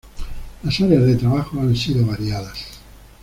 Las áreas de trabajo han sido variadas.